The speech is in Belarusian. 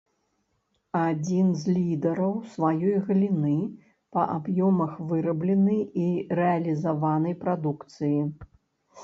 Адзін з лідараў сваёй галіны па аб'ёмах вырабленай і рэалізаванай прадукцыі.